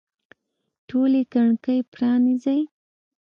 ټولي کړکۍ پرانیزئ